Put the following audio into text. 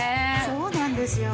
そうなんですよ。